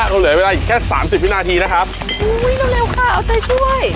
เราเหลือเวลาอีกแค่สามสิบวินาทีนะครับอุ้ยเร็วค่ะเอาใจช่วย